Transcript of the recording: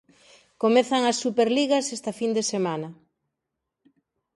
Comezan as superligas esta fin de semana.